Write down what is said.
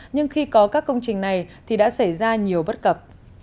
nhưng khi có các công trình này thì đã xảy ra nhiều bất cập